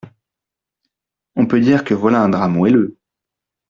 On peut dire que voilà un drap moelleux…